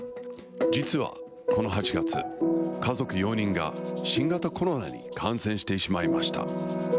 実は、この８月、家族４人が新型コロナに感染してしまいました。